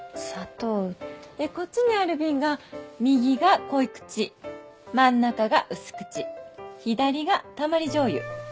こっちにある瓶が右が濃口真ん中が薄口左がたまり醤油。